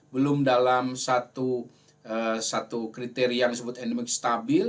belum dalam satu kriteria yang disebut endemik stabil